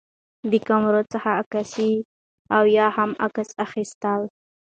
د کامرو څخه عکاسي او یا هم عکس اخیستل